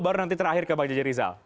baru nanti terakhir ke bang jj rizal